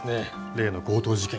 例の強盗事件。